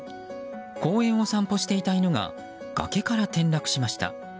公園を散歩していた犬が崖から転落しました。